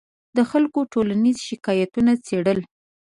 د خلکو د ټولیزو شکایتونو څېړل